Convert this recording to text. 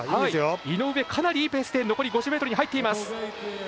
井上、かなりいいペースで残り５０ｍに入っています。